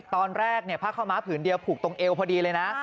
ตอนแรกผ้าข้าวม้าผืนเดียวผูกตรงเอวพอดีเลยนะ